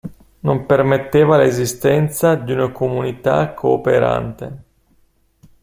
Non permetteva l'esistenza di una comunità cooperante.